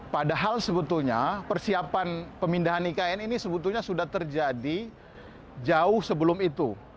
padahal sebetulnya persiapan pemindahan ikn ini sebetulnya sudah terjadi jauh sebelum itu